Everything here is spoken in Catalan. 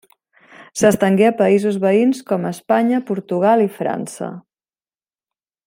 S'estengué a països veïns com Espanya, Portugal i França.